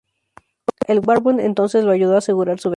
El Warbound entonces lo ayudó a asegurar su venganza.